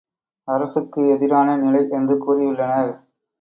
அரசுக்கு எதிரான நிலை என்று கூறியுள்ளனர்.